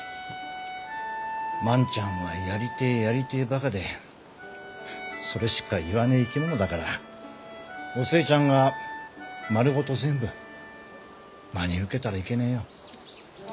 万ちゃんは「やりてえやりてえ」バカでそれしか言わねえ生き物だからお寿恵ちゃんが丸ごと全部真に受けたらいけねえよ。